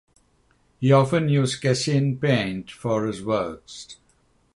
He often used casein paint for his works.